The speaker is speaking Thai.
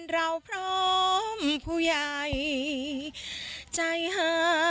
เกะกะตา